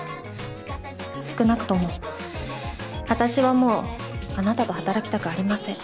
少なくともあたしはもうあなたと働きたくありません。